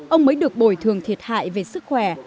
ông mới được bồi thường thiệt hại về sức khỏe